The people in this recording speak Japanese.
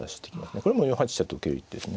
これも４八飛車と受ける一手ですね。